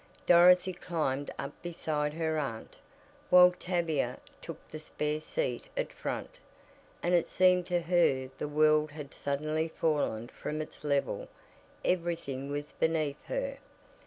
Dorothy climbed up beside her aunt, while Tavia took the spare seat at front, and it seemed to her the world had suddenly fallen from its level, everything was beneath her.